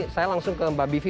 saya langsung ke mbak bivi